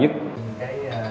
những vấn đề này